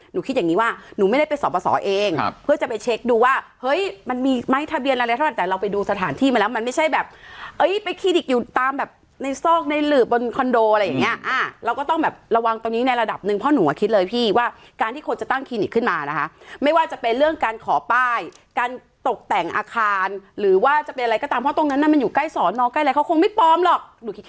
หนูคิดอย่างงี้ว่าหนูไม่ได้ไปสอบประสอบเองเพื่อจะไปเช็คดูว่าเฮ้ยมันมีไม้ทะเบียนอะไรแล้วแต่เราไปดูสถานที่มาแล้วมันไม่ใช่แบบเอ้ยไปคลินิกอยู่ตามแบบในซอกในหลืบบนคอนโดอะไรอย่างเงี้ยอ่ะเราก็ต้องแบบระวังตรงนี้ในระดับหนึ่งเพราะหนูก็คิดเลยพี่ว่าการที่คนจะตั้งคลินิกขึ้นมานะคะไม่ว่าจะเป็นเรื่องการขอป้ายการตก